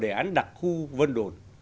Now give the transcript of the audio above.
đề án đặc khu vân đồn